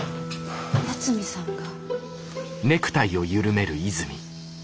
八海さんが？